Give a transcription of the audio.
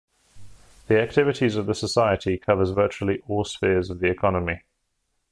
The activities of the society covers virtually all spheres of the economy.